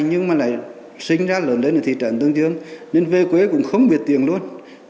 nhưng mà lại sinh ra lớn lên ở thị trấn tương dương nên về quê cũng không biết tiền luôn